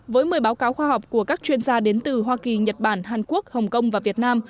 với một mươi báo cáo khoa học của các chuyên gia đến từ hoa kỳ nhật bản hàn quốc hồng kông và việt nam